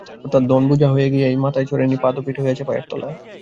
অর্থাৎ ধন বোঝা হয়ে মাথায় চড়ে নি, পাদপীঠ হয়ে আছে পায়ের তলায়।